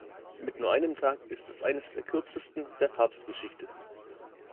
Mit nur einem Tag ist es eines der kürzesten der Papstgeschichte.